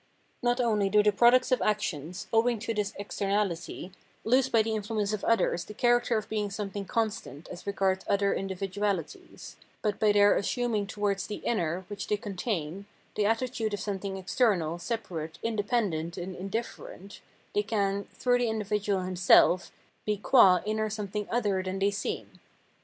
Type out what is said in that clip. Not only do the products of actions, owing to this externahty, lose by the influence of others the character of being something constant as regards other individuahties ; but by their assuming towards the inner which they con tain, the attitude of something external, separate, in dependent, and indifferent, they can, through the in dividual himself, be qua inner something other than they seem.